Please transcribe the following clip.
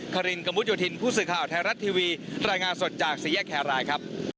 คารินกระมุดโยธินผู้สื่อข่าวไทยรัฐทีวีรายงานสดจากสี่แยกแครรายครับ